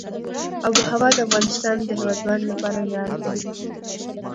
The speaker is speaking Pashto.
آب وهوا د افغانستان د هیوادوالو لپاره ویاړ دی.